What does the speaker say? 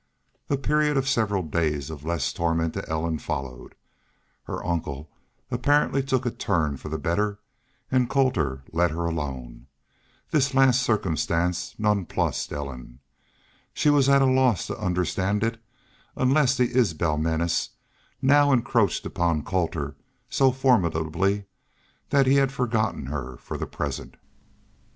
A period of several days of less torment to Ellen followed. Her uncle apparently took a turn for the better and Colter let her alone. This last circumstance nonplused Ellen. She was at a loss to understand it unless the Isbel menace now encroached upon Colter so formidably that he had forgotten her for the present.